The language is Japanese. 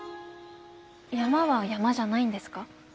山は山じゃないんですか？